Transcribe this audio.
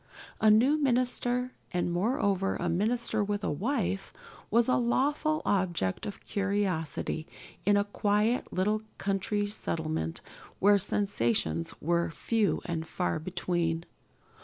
A new minister, and moreover a minister with a wife, was a lawful object of curiosity in a quiet little country settlement where sensations were few and far between.